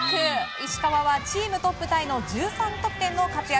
石川はチームトップタイの１３得点の活躍。